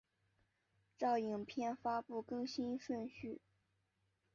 照影片发布更新顺序